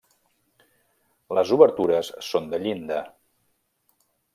Les obertures són de llinda.